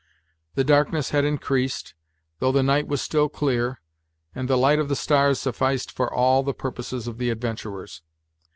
The darkness had increased, though the night was still clear, and the light of the stars sufficed for all the purposes of the adventurers.